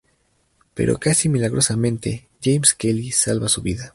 Pero casi milagrosamente James Kelly salva su vida.